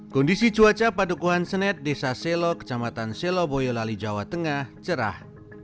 kondisi cuaca padukuhan senet desa selok kecamatan seloboyo lali jawa tengah cerah